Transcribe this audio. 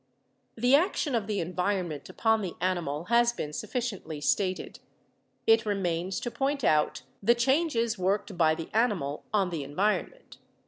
120 BIOLOGY The action of the environment upon the animal has been sufficiently stated. It remains to point out the changes worked by the animal on the environment.